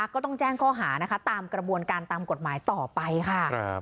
ก็ต้องแจ้งข้อหานะคะตามกระบวนการตามกฎหมายต่อไปค่ะ